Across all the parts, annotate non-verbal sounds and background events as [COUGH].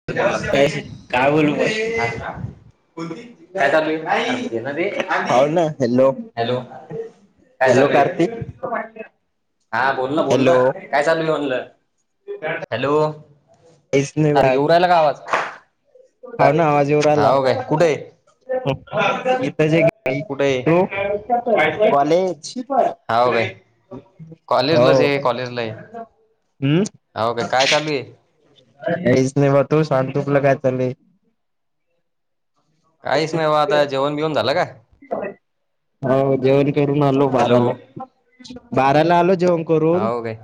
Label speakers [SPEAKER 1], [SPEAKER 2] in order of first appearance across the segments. [SPEAKER 1] [INAUDIBLE]
[SPEAKER 2] काय काय बोलू मग?
[SPEAKER 1] कोणती, काय चालू आहे? भाई दे ना ते,
[SPEAKER 2] हाव
[SPEAKER 1] [UNINTELLIGIBLE]
[SPEAKER 2] ना हॅलो
[SPEAKER 1] हॅलो! काय
[SPEAKER 2] हॅलो
[SPEAKER 1] चालूय?
[SPEAKER 2] कार्तिक
[SPEAKER 1] हा बोल ना बोल ना.
[SPEAKER 2] हॅलो
[SPEAKER 1] काय चाललय म्हणलं? हॅलो!
[SPEAKER 2] काहीच नाही
[SPEAKER 1] अरे
[SPEAKER 2] बा
[SPEAKER 1] येऊ राहिला का आवाज? हा हाव काय कुठे आहे?
[SPEAKER 2] इथ जे
[SPEAKER 1] कुठे आहे
[SPEAKER 2] [UNINTELLIGIBLE] कॉलेज
[SPEAKER 1] हाव काय कॉलेजलाच
[SPEAKER 2] हो
[SPEAKER 1] आहे कॉलेजला आहे.
[SPEAKER 2] हम्म.
[SPEAKER 1] हाव काय काय चालू आहे?
[SPEAKER 2] काहीच नाही ब तू सांगतो तुला काय चाललय.
[SPEAKER 1] काहीच नाही बा आता. जेवण बिवण झालं का?
[SPEAKER 2] हो जेवण करून आलो
[SPEAKER 1] हॅलो
[SPEAKER 2] बाराला. बाराला आलो जेऊन
[SPEAKER 1] हाव काय.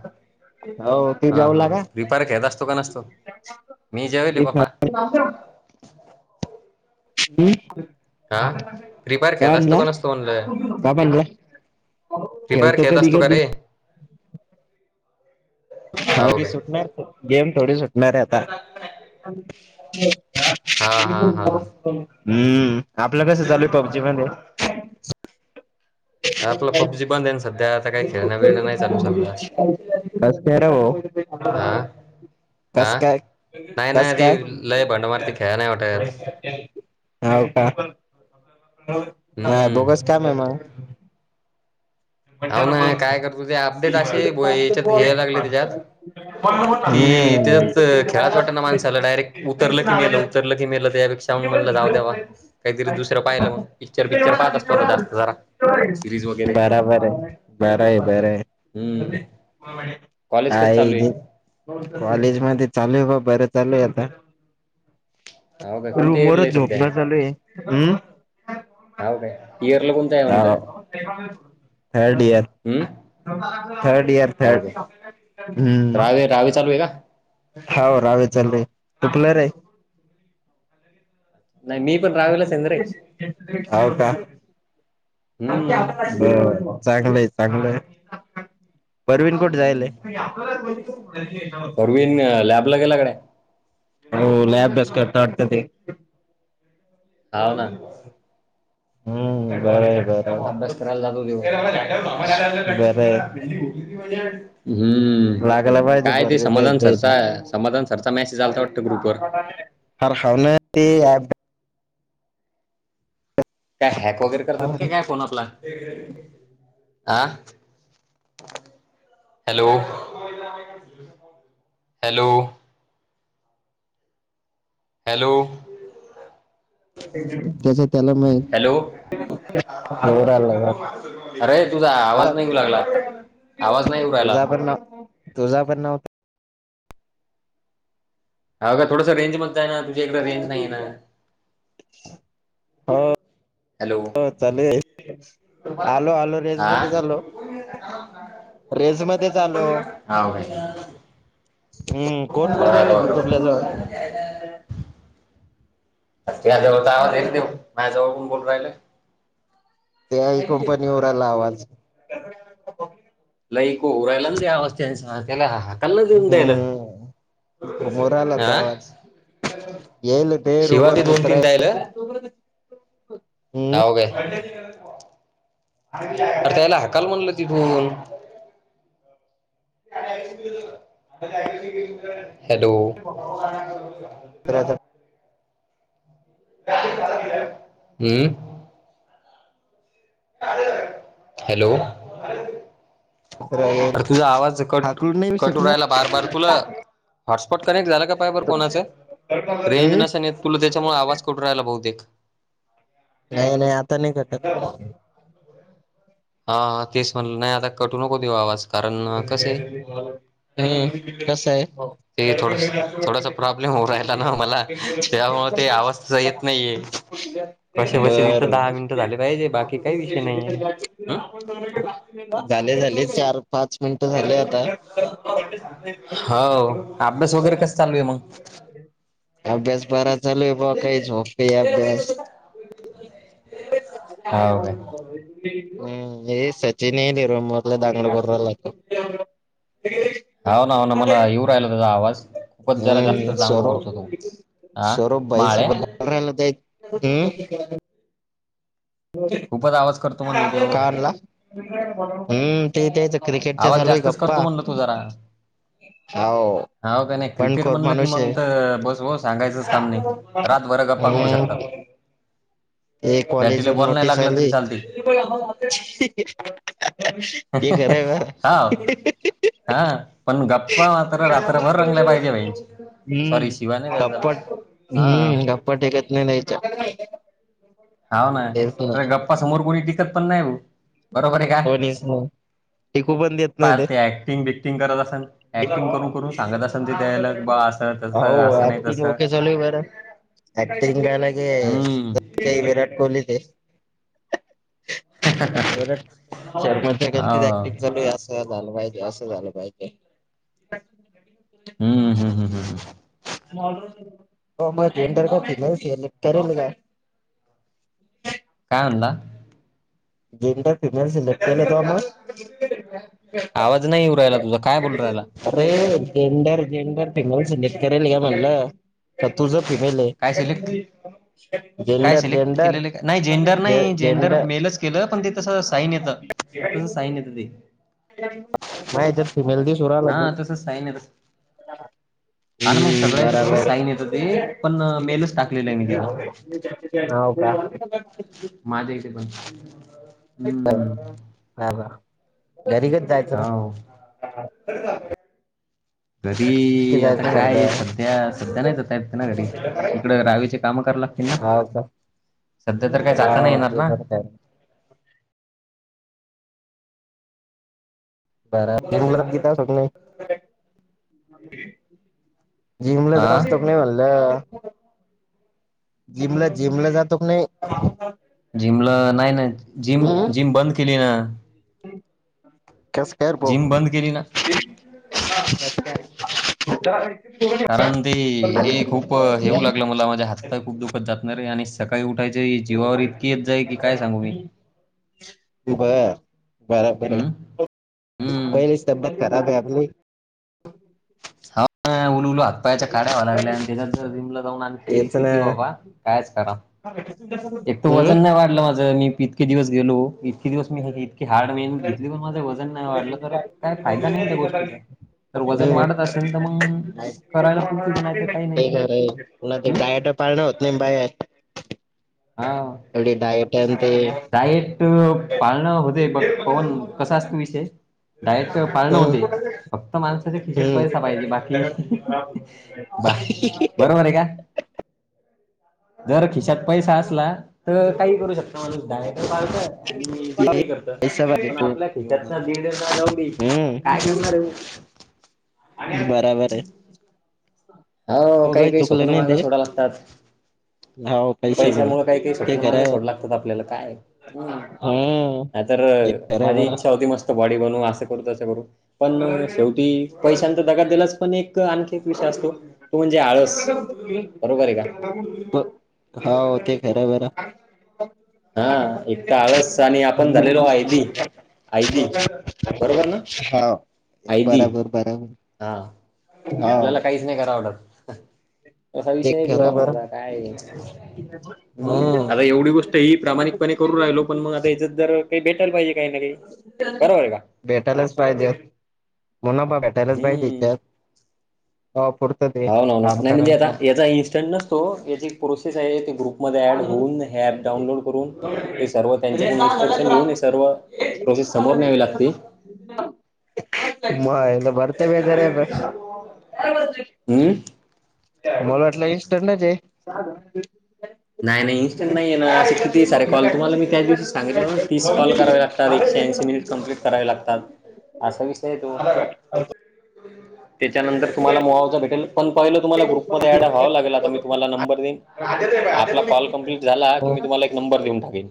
[SPEAKER 2] तू
[SPEAKER 1] हा हा
[SPEAKER 2] जेवला
[SPEAKER 1] हा
[SPEAKER 2] का?
[SPEAKER 1] रिपार येत असतो का नसतो मी जेवेल आहे बापा
[SPEAKER 2] [INAUDIBLE] हम्म
[SPEAKER 1] हां फ्री फायर खेळत
[SPEAKER 2] काय
[SPEAKER 1] असतो
[SPEAKER 2] म्हणला,
[SPEAKER 1] का नसतो म्हणलं
[SPEAKER 2] काय म्हणाला
[SPEAKER 1] रिपेअर केतस तू का रे हाव
[SPEAKER 2] हॉबी
[SPEAKER 1] काय?
[SPEAKER 2] सुटणे गेम थोडी सुटणार आहे आता
[SPEAKER 1] हां, हां, हां, हां.
[SPEAKER 2] हम्म आपलं कसं चालू आहेय पबजी मध्ये?
[SPEAKER 1] आपलं पबजी बंद आहे ना सध्या आता काही खेळणं बिळणं नाही चालू समजा.
[SPEAKER 2] [UNINTELLIGIBLE] हा.
[SPEAKER 1] हां,
[SPEAKER 2] कस
[SPEAKER 1] हां.
[SPEAKER 2] काय?
[SPEAKER 1] नाही
[SPEAKER 2] कस
[SPEAKER 1] ना ते
[SPEAKER 2] काय?
[SPEAKER 1] लय भंडमार ते खेळायला नाही वाटत.
[SPEAKER 2] हाव का
[SPEAKER 1] हम्म.
[SPEAKER 2] बोगस काम आहे मग
[SPEAKER 1] हाव ना काय करतो ते अपडेट असे याच्यात हेय लागले त्याच्यात कि
[SPEAKER 2] हम्म.
[SPEAKER 1] त्याच्यात खेळात वाटत ना माणसाला डायरेक्ट उतरलं की मेल उतरलं की मेल त्यापेक्ष त्याहून म्हणलं जाऊ दे बाबा. काहीतरी दुसरं पाहिलं मग पिक्चर बिक्चर पाहत असतो आता जास्त जरा, सिरीज वगैरे.
[SPEAKER 2] बरय बरय
[SPEAKER 1] हम्म.
[SPEAKER 2] काय
[SPEAKER 1] कॉलेज कसं
[SPEAKER 2] आहे
[SPEAKER 1] चालू
[SPEAKER 2] ते कॉलेज मध्ये चालू आहे बा बरं चालू आहे आता
[SPEAKER 1] हाव काय कोणत्या
[SPEAKER 2] रूम
[SPEAKER 1] इयरला आहे
[SPEAKER 2] वरच
[SPEAKER 1] सध्या?
[SPEAKER 2] झोपणं चालूये हम्म
[SPEAKER 1] हाव काय इयरला कोणतं आहे म्हणलं?
[SPEAKER 2] [INAUDIBLE] Third year.
[SPEAKER 1] हम्म
[SPEAKER 2] थर्ड इयर थर्ड हम्म.
[SPEAKER 1] ते चालू आहे का?
[SPEAKER 2] हाव राहावे चाललय तुकणार आहे
[SPEAKER 1] नाय मी पण रावेलाच आहे ना रे
[SPEAKER 2] हाव का
[SPEAKER 1] हम्म
[SPEAKER 2] हम्म चांगलंय चांगलंय. परवीन कुठ
[SPEAKER 1] हम्म.
[SPEAKER 2] जायलय?
[SPEAKER 1] परवीन लॅब ला गेला काय?
[SPEAKER 2] हो लॅब [UNINTELLIGIBLE]
[SPEAKER 1] हाव ना
[SPEAKER 2] हम्म बरंय बरंय.
[SPEAKER 1] अभ्यास करायला जातो देव
[SPEAKER 2] [UNINTELLIGIBLE]
[SPEAKER 1] हम्म
[SPEAKER 2] लागला पाहिजे
[SPEAKER 1] काय ते
[SPEAKER 2] पोरग काही
[SPEAKER 1] समाधान
[SPEAKER 2] काही
[SPEAKER 1] सरचा समाधान सरचा मेसेज आलता
[SPEAKER 2] तरी
[SPEAKER 1] वाटतं ग्रुपवर
[SPEAKER 2] आर हाव न ते अँप
[SPEAKER 1] काय हॅक वगैरे करतात का काय फोन आपला? आ हॅलो हॅलो हॅलो
[SPEAKER 2] त्याच त्याला मिळेल.
[SPEAKER 1] हॅलो अरे तुझा आवाज नाही येऊ लागला आवाज नाही
[SPEAKER 2] [UNINTELLIGIBLE] [UNINTELLIGIBLE]
[SPEAKER 1] येऊ राहिला
[SPEAKER 2] तुझापण न तुझा पण नव्हतं.
[SPEAKER 1] हाव ग थोडसं रेंजमध्ये जाय न
[SPEAKER 2] [UNINTELLIGIBLE] हो
[SPEAKER 1] हॅलो
[SPEAKER 2] कस चालूय आलो आलो रेंज
[SPEAKER 1] हा
[SPEAKER 2] मध्येच आलो. रेंजमध्येच आलो.
[SPEAKER 1] हा
[SPEAKER 2] हम्म कोण बोलू राहिल ते तुपल्या जवळ?
[SPEAKER 1] अरे तुझ्या जवळचा आवाज आहे रे तो, म्या जवळ कोण बोलू राहिल?
[SPEAKER 2] ते आहे ईकूण पण येऊ राहिला आवाज.
[SPEAKER 1] लय इको होऊ राहिला न रे आवाज त्यांचा त्याला हा हा
[SPEAKER 2] हम्म घुमू राहिला तो
[SPEAKER 1] हा
[SPEAKER 2] आवाज. यायले पे
[SPEAKER 1] शिवा ते
[SPEAKER 2] रूमवर
[SPEAKER 1] दोन
[SPEAKER 2] मित्र
[SPEAKER 1] तीन राहिलं
[SPEAKER 2] आहे. हम्म
[SPEAKER 1] हाव काय? अर! त्याला हाकल म्हणलं तिथून. [UNINTELLIGIBLE] हॅलो
[SPEAKER 2] [UNINTELLIGIBLE]
[SPEAKER 1] हम्म हॅलो
[SPEAKER 2] मित्र येईल
[SPEAKER 1] अरे तुझा आवाज कट
[SPEAKER 2] हाकलून नाही येऊ
[SPEAKER 1] कटू
[SPEAKER 2] शकणार
[SPEAKER 1] राहियला बार बार तुल हॉटस्पॉट कनेक्ट झाल का पाय बर कोणाचं? रेंज
[SPEAKER 2] हम्म
[SPEAKER 1] नसन येत तुल त्याच्यामुळ आवाज कटु राहिला बहुतेक.
[SPEAKER 2] नाही नाही आता नाही कटत.
[SPEAKER 1] हा हा तेच म्हणलं नाही आता कटू नको देऊ आवाज. कारण कस आहे
[SPEAKER 2] हम्म कसं आहे
[SPEAKER 1] ते थोडस थोडासा प्रॉब्लेम होऊ राहिला न मला त्याच्यामुळे ते आवाज तुझा येत नाहीेय.
[SPEAKER 2] बर बर
[SPEAKER 1] झाले पाहिजे बाकी काही विषय नाहीये हम्म
[SPEAKER 2] झाले झाले चार, पाच मिनट झाले आता.
[SPEAKER 1] हाव अभ्यास वगैरे कसं चालू आहे मग?
[SPEAKER 2] अभ्यास बरा चालू आहे बॉ काही झोप काही अभ्यास.
[SPEAKER 1] हो काय
[SPEAKER 2] हम्म हे सचिन येल आहे रूमवर लई दागडू करू [UNINTELLIGIBLE]
[SPEAKER 1] हाव ना हाव ना मला येऊ राहिला तेचा आवाज, पण जरा
[SPEAKER 2] हम्म
[SPEAKER 1] जास्तच दागडू
[SPEAKER 2] सौरव
[SPEAKER 1] करतो तो आ
[SPEAKER 2] सौरभ भाई
[SPEAKER 1] माळ्या
[SPEAKER 2] [UNINTELLIGIBLE]
[SPEAKER 1] खूपच आवाज करतो म्हणलं ते हो
[SPEAKER 2] कारला हम्म ते त्याच क्रिकेटच्या
[SPEAKER 1] आवाज
[SPEAKER 2] चालू आहे
[SPEAKER 1] जास्तच
[SPEAKER 2] गप्पा
[SPEAKER 1] करतो म्हणलं तू जरा
[SPEAKER 2] हाओ
[SPEAKER 1] हाव का नाही क्रिकेट म्हणलं की मग तर बस हो सांगायचंच काम नाही रात भरअ गप्पा करू शकतात. [INAUDIBLE]
[SPEAKER 2] ए कॉलेज
[SPEAKER 1] बॅटीला
[SPEAKER 2] ऊन
[SPEAKER 1] बॉल नाही
[SPEAKER 2] नोटीस
[SPEAKER 1] लागला
[SPEAKER 2] आली.
[SPEAKER 1] तरी चालते
[SPEAKER 2] [UNINTELLIGIBLE] ते खरं आहे का?
[SPEAKER 1] हाव हा पण गप्पा मात्र रात्रभर रंगल्या पाहिजे भाई. सॉरी शिवा नाही
[SPEAKER 2] हू
[SPEAKER 1] द्यायला
[SPEAKER 2] थपट
[SPEAKER 1] त्याला
[SPEAKER 2] हू
[SPEAKER 1] हा
[SPEAKER 2] ग प्पा टेकत नाही नाहीत.
[SPEAKER 1] हाव ना [UNINTELLIGIBLE] गप्पा समोर कोणी टिकत पण नाही भाऊ. बरोबर आहे का
[SPEAKER 2] पोलिसनू ऐकू पण देत नाही
[SPEAKER 1] पहा
[SPEAKER 2] ते
[SPEAKER 1] ऍक्टिंग बिक्टिंग करत असन ऍक्टिंग करून करून सांगत असन ते त्याला बा असं
[SPEAKER 2] आहो
[SPEAKER 1] तसं असं नाही
[SPEAKER 2] ऍटिंग
[SPEAKER 1] तसं
[SPEAKER 2] ओके चालू आहे बरं. ऍक्टिंग घ्यायला घे
[SPEAKER 1] हम्म
[SPEAKER 2] ते विराट कोहली ते [UNINTELLIGIBLE] गेल की चं
[SPEAKER 1] हा
[SPEAKER 2] ऍक्टिंग चालू आहे असं झालं पाहिजे असं झालं पाहिजे.
[SPEAKER 1] हू हू हू हू हू हू,
[SPEAKER 2] ओ म टेंडर [UNINTELLIGIBLE] ठरवलं का
[SPEAKER 1] काय म्हनला?
[SPEAKER 2] जेंडर फिमेल सिलेक्ट केले का म
[SPEAKER 1] आवाज नाही येऊ राहयला तुझा काय बोलू राहायला?
[SPEAKER 2] आरे ये जेंडर जेंडर फिमेल सिलेक्ट कराले का म्हणलं? तर तुझ फिमेल
[SPEAKER 1] काय सिलेक्ट
[SPEAKER 2] आहे?
[SPEAKER 1] काय
[SPEAKER 2] जेंडर
[SPEAKER 1] सिलेक्ट
[SPEAKER 2] जेंडर
[SPEAKER 1] केलेले का नाही जेंडर नाही जेंडर मेलच केलं पण ते तसं साईन येतं तस साईन येत ते.
[SPEAKER 2] माझ्या हेच्यात फिमेल दिसू राहिला
[SPEAKER 1] हा
[SPEAKER 2] तू.
[SPEAKER 1] तसं साईन येतं हा ना मग
[SPEAKER 2] हम्म
[SPEAKER 1] सगळ्या हेच्यात तस
[SPEAKER 2] बराबर आहे.
[SPEAKER 1] साईन येत ते पण मेलच टाकलेलं आहे मी ही पण.
[SPEAKER 2] हाव का?
[SPEAKER 1] माझ्या इथे पण हम्म
[SPEAKER 2] हा रा घरी कधी जायचं?
[SPEAKER 1] हो घरी
[SPEAKER 2] कधी
[SPEAKER 1] आता
[SPEAKER 2] जायचं
[SPEAKER 1] काय
[SPEAKER 2] म्हणलं
[SPEAKER 1] सध्या सध्या नाही जाता येत ना घरी, इकड रावीचे कामं कराल लागतील ना.
[SPEAKER 2] हा का?
[SPEAKER 1] सध्या तर काय जाता नाही
[SPEAKER 2] हो
[SPEAKER 1] येणार
[SPEAKER 2] ते
[SPEAKER 1] ना?
[SPEAKER 2] पण काय बर [UNINTELLIGIBLE] नाही. जिमला जात
[SPEAKER 1] हा
[SPEAKER 2] आसतो का नाही म्हणलं? जिमला जिमला जातो का नाही?
[SPEAKER 1] जिमला नाही नाही जिम जिम बंद केली ना.
[SPEAKER 2] कसं काय रे भाऊ?
[SPEAKER 1] जिम बंद केली ना
[SPEAKER 2] त्यात काय [UNINTELLIGIBLE]
[SPEAKER 1] कारण ते हे खूप हे होऊ लागलं मला माझे हात, पाय खूप दुखतात ना रे आणि सकाळी उठायचे जीवावर इतकी येत जाई की काय सांगू मी.
[SPEAKER 2] बरं बराबरं
[SPEAKER 1] हम्म
[SPEAKER 2] आहे
[SPEAKER 1] हम्म
[SPEAKER 2] पहिलीच तब्येत खराब आहे आपली,
[SPEAKER 1] हाव ना उलू उलू हात पायाच्या काड्या व्हाय लागल्या आणि तेच्यात जिमला जाऊन आणखी किती बाबा कायच कराव.
[SPEAKER 2] [UNINTELLIGIBLE] तुमच्या समोर
[SPEAKER 1] एक त वजन नाही वाढलं माझं, मी इतके दिवस गेलो इतके दिवस मी हे इत की हार्ड मेहनत घेतली पण माझं वजन नाही वाढलं, तर काय फायदा नाही ना त्या गोष्टीचा.
[SPEAKER 2] हो
[SPEAKER 1] तर वजन
[SPEAKER 2] नाही
[SPEAKER 1] वाढत असेल तर मग
[SPEAKER 2] ते
[SPEAKER 1] करायला पुगते नाही तर काही नाही
[SPEAKER 2] खरं आहे पुन्हा ते
[SPEAKER 1] हम्म
[SPEAKER 2] डाएट पाळण होत नाही बाहेर.
[SPEAKER 1] हा.
[SPEAKER 2] एवढी डाएट आण ते
[SPEAKER 1] डाएट अ पाळणं होते बघ पवन कसा असतो विषय डाएट अ पाळण
[SPEAKER 2] हम्म
[SPEAKER 1] होते फक्त माणसाच्या खिशात
[SPEAKER 2] हम्म
[SPEAKER 1] पैसा पाहिजे बाकी [UNINTELLIGIBLE] बरोबर आहे का? जर खिशात पैसा असला तर काही करू शकतो माणूस डाए पाळतं आणि जिमही करत पण आपल्या खिशात ना दीड ना दमडी
[SPEAKER 2] हम्म
[SPEAKER 1] काय करणारय?
[SPEAKER 2] आणि आत बराबर आहे.
[SPEAKER 1] हो काही
[SPEAKER 2] दोघही
[SPEAKER 1] काही स्वप्न
[SPEAKER 2] चुकलं नाही
[SPEAKER 1] मांग
[SPEAKER 2] ते
[SPEAKER 1] सोडाव लागतात.
[SPEAKER 2] हो
[SPEAKER 1] पैशामुळ काय काय
[SPEAKER 2] पैशामुळे ते
[SPEAKER 1] स्वप्न
[SPEAKER 2] खरं
[SPEAKER 1] मांग
[SPEAKER 2] आहे
[SPEAKER 1] सोडा लागतात आपल्याला काय हम्म.
[SPEAKER 2] हम्म
[SPEAKER 1] नाही तर
[SPEAKER 2] हे खरं आहे
[SPEAKER 1] माझी
[SPEAKER 2] बरं
[SPEAKER 1] इच्छा होती मस् त बॉडी बनू मग असं करू तसं करू पण शेवटी पैशान तर दगा दिलाच पण एक त आणखी एक विषय असतो तो म्हणजे आळस बरोबर आहे का?
[SPEAKER 2] प हो ते खरंय बर. [INAUDIBLE]
[SPEAKER 1] हा एक तर आळस आणि
[SPEAKER 2] [INAUDIBLE]
[SPEAKER 1] आपण झालेलो आयदी आयदी बरोबर ना
[SPEAKER 2] हाव
[SPEAKER 1] आयदी
[SPEAKER 2] बराबर बराबर.
[SPEAKER 1] हा
[SPEAKER 2] हा
[SPEAKER 1] आपल्याला काहीच नाही कराव वाटतं. असा
[SPEAKER 2] ते
[SPEAKER 1] विषय आहे तेवा
[SPEAKER 2] खरं
[SPEAKER 1] मग
[SPEAKER 2] बर
[SPEAKER 1] आता काय हम्म आता एवढी गोष् ते ही प्रामाणिकपणे करू राहिलो पण मग आता याच्यात जर काही भेटायला पाहिजे. काही ना काही बरोबर आहे का
[SPEAKER 2] [INAUDIBLE] भेटायलाच पाहिजे. मुनाफा भेटायलाच पाहिजे
[SPEAKER 1] हम्म
[SPEAKER 2] त्यात तवा पुर
[SPEAKER 1] हाव ना होव ना नाही म्हणजे आता याचा इन्स्टंट नसतो याची एक प्रोसेस आहे ते ग्रुपमध्ये ऍड होऊन हे ॲप डाउनलोड करून ते सर्व त्यांच्या कडून इन्स्ट्रक्शन घेऊन हे सर्व प्रोसेस समोर न्यावी लागते.
[SPEAKER 2] [INAUDIBLE] मायला [UNINTELLIGIBLE]
[SPEAKER 1] अं.
[SPEAKER 2] मला वाटलं इंनस्टंटच हाय
[SPEAKER 1] नाही नाही इन्स्टंट नाही आहे ना, अशे किती सारे कॉल तुम्हाला मी त्याच दिवशी सांगितलं होत ना, तीस कॉल करावे लागतात एकशे ऐंशी मिनिट कंप्लीट करावे लागतात असा विषय आहे तो त्याच्यानंतर तुम्हाला मुहावजा भेटेल पण पहिल तुम्हाला ग्रुपमध्ये ऍड व्हावं लागेल आता मी तुम्हाला नंबर देईन
[SPEAKER 2] [INAUDIBLE]
[SPEAKER 1] आपला कॉल कम्प्लीट झाला की मी तुम्हाला एक नंबर देऊन टाकेल.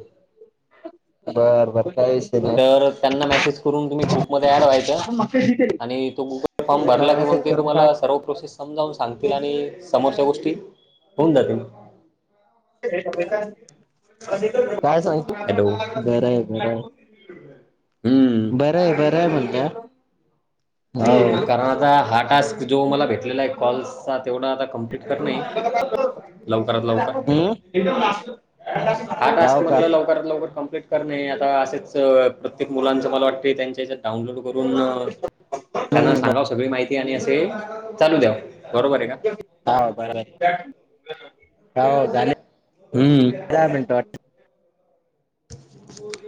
[SPEAKER 2] बर बर काय विषय नाही
[SPEAKER 1] तर त्यांना मेसेज करून तुम्ही ग्रुपमध्ये अॅड व्हायच आणि तु फॉर्म
[SPEAKER 2] त्यांना
[SPEAKER 1] भरला क
[SPEAKER 2] मेसेज
[SPEAKER 1] मग ते
[SPEAKER 2] करून काय
[SPEAKER 1] तुम्हाला सर्व प्रोसेस समजावून सांगतील आणि समोरच्या गोष्टी होऊन जातील.
[SPEAKER 2] [INAUDIBLE] काय सांगत,
[SPEAKER 1] हॅलो
[SPEAKER 2] बरं आहे बरं आहे.
[SPEAKER 1] हम्म
[SPEAKER 2] बरं आहे बरं आहे म्हणलं.
[SPEAKER 1] होव
[SPEAKER 2] हम्म
[SPEAKER 1] कारण आता हा टास्क जो मला भेटलेला आहे कॉल्सचा तेवढा आता कमप्लीट करन आहे. लवकरात लवकर, [INAUDIBLE] हा
[SPEAKER 2] हो
[SPEAKER 1] टास्क
[SPEAKER 2] का
[SPEAKER 1] म्हणलं लवकरात लवकर कमप्लीट. करनं आहे आता असेच प्रत्येक मुलांचं मला वाटतं त्यांच्या ह्याच्यात डाउनलोड करून त्यांना
[SPEAKER 2] हम्म हो
[SPEAKER 1] सांगाव सगळी माहिती आणि असे चालू द्याव बरोबर आहे का?
[SPEAKER 2] हो बरोबर आहे, होव झाले
[SPEAKER 1] हम्म
[SPEAKER 2] [INAUDIBLE] दहा मिनट वाट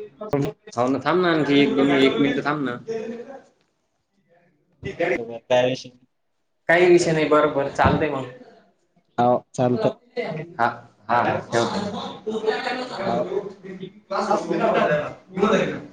[SPEAKER 1] [INAUDIBLE] होव ना थांब ना आणखी एक दोन एक मिनिट थांब ना.
[SPEAKER 2] [UNINTELLIGIBLE]
[SPEAKER 1] काही विषय नाही बरोबर चालतय मग.
[SPEAKER 2] हो
[SPEAKER 1] हा हा हा ठेवतो
[SPEAKER 2] चालत
[SPEAKER 1] मग. [UNINTELLIGIBLE]